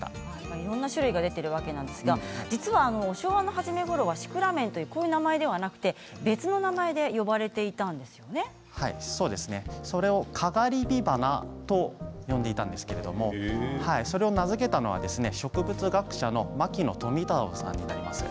いろんな種類が出ているわけですが実は昭和の初めごろはシクラメンという名前ではなくて別の名前でそれをカガリビバナと呼んでいたんですけれどもそれを名付けたのは植物学者の牧野富太郎さんになります。